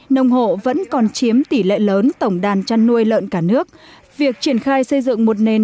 nông hộ vẫn còn chiếm tỷ lệ lớn tổng đàn chăn nuôi lợn cả nước việc triển khai xây dựng một nền